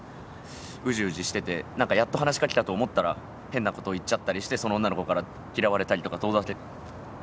うじうじしててやっと話しかけたと思ったら変なこと言っちゃったりしてその女の子から嫌われたりとか遠ざけられたりだとか。